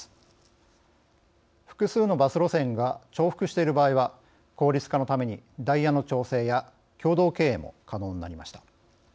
複数のバス路線が重複している場合は効率化のためにダイヤの調整や共同経営も可能になりました。